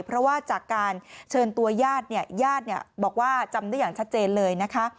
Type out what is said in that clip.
เพราะว่าจากการเชิญตัวญาติเนี่ยญาติบอกว่าจำได้อย่างชัดเจนเลยนะคะ